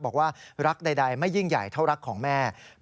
บอกว่ารักใดไม่ยิ่งใหญ่เท่ารักของแม่